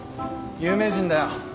有名人だよ。